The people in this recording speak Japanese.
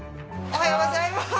おはようございます。